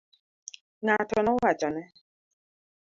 Ng'ato nowachone.